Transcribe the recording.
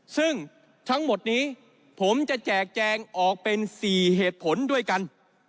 ซึ่งทั้งหมดนี้ผมจะแจกแจงออกเป็น๔เหตุผลด้วยกัน